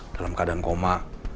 dalam keadaan koma